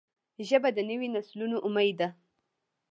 ژبه د نوي نسلونو امید ده